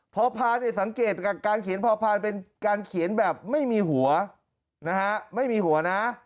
พอพานเนี่ยสังเกตการเขียนพอพานเป็นการเขียนแบบไม่มีหัวนะฮะไม่มีหัวนะ